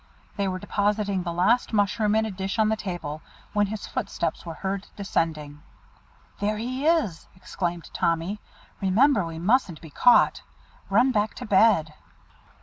They were depositing the last mushroom in a dish on the table, when his footsteps were heard descending. "There he is!" exclaimed Tommy. "Remember, we mustn't be caught. Run back to bed."